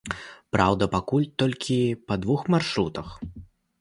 Праўда, пакуль толькі па двух маршрутах.